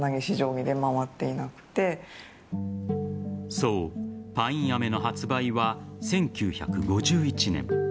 そうパインアメの発売は１９５１年。